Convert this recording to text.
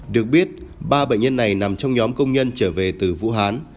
được biết ba bệnh nhân này nằm trong nhóm công nhân trở về từ vũ hán